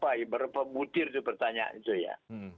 saya tidak ikuti beberapa mutir bertanyaan itu ya